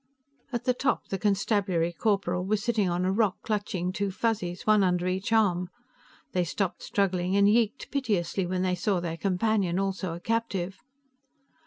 At the top, the constabulary corporal was sitting on a rock, clutching two Fuzzies, one under each arm. They stopped struggling and yeeked piteously when they saw their companion also a captive.